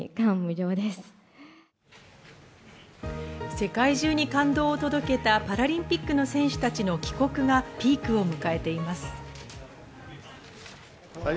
世界中に感動を届けたパラリンピックの選手たちの帰国がピークを迎えています。